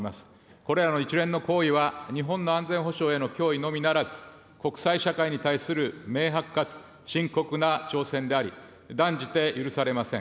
これらの一連の行為は、日本の安全保障への脅威のみならず、国際社会に対する明白かつ深刻な挑戦であり、断じて許されません。